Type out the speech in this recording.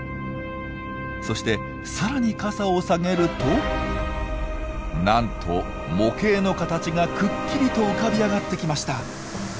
そして更に傘を下げるとなんと模型の形がくっきりと浮かび上がってきました！